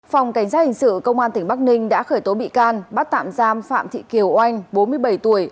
phòng cảnh sát hình sự công an tỉnh bắc ninh đã khởi tố bị can bắt tạm giam phạm thị kiều oanh bốn mươi bảy tuổi